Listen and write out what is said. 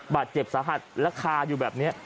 บาดเจ็บสาหัสและคาอยู่แบบนี้